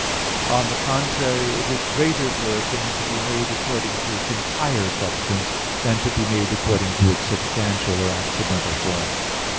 On the contrary, It is greater for a thing to be made according to its entire substance, than to be made according to its substantial or accidental form.